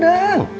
tanya om aceh neng